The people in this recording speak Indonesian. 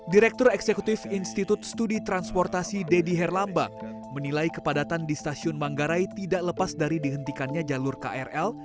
direktur eksekutif institut studi transportasi deddy herlambang menilai kepadatan di stasiun manggarai tidak lepas dari dihentikannya jalur krl